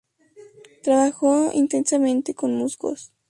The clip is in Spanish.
Trabajó intensamente con musgos.